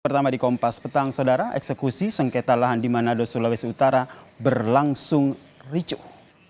pertama di kompas petang saudara eksekusi sengketa lahan di manado sulawesi utara berlangsung ricuh